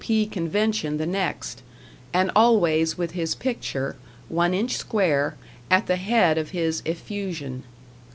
P. convention the next; and always with his picture, one inch square, at the head of his effusion.